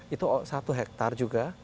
itu satu hektar juga